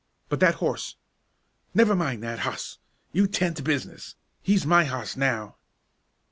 "But that horse " "Never mind that hoss. You ten' to business. He's my hoss now!"